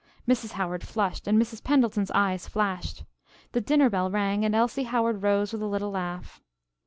Mrs. Howard flushed and Mrs. Pendleton's eyes flashed. The dinner bell rang and Elsie Howard rose with a little laugh.